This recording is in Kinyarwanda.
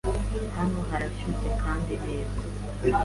Hano harashyushye kandi neza.